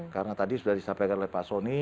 karena tadi sudah disampaikan oleh pak soni